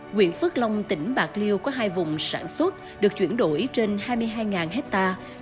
nguyễn phước long tỉnh bạc liêu có hai vùng sản xuất được chuyển đổi trên hai mươi hai hectare